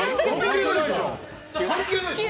関係ないでしょ。